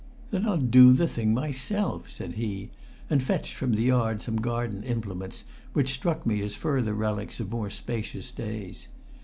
"Then I'll do the thing myself!" said he, and fetched from the yard some garden implements which struck me as further relics of more spacious days.